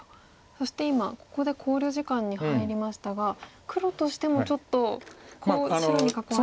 そして今ここで考慮時間に入りましたが黒としてもちょっと白に囲われると。